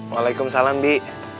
waalaikum salam bi